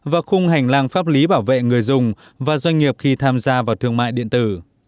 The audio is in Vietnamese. và khung hành lang pháp lý bảo vệ người dùng và doanh nghiệp khi tham gia vào thương mại điện tử